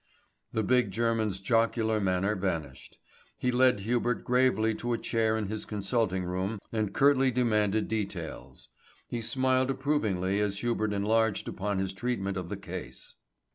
The big German's jocular manner vanished. He led Hubert gravely to a chair in his consulting room and curtly demanded details. He smiled approvingly as Hubert enlarged upon his treatment of the case.